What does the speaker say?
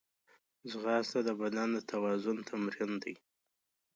ځغاسته د بدن د توازن تمرین دی